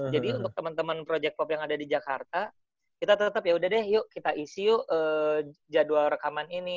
jadi untuk temen temen project pop yang ada di jakarta kita tetep yaudah deh yuk kita isi yuk jadwal rekaman ini